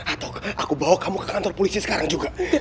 atau aku bawa kamu ke kantor polisi sekarang juga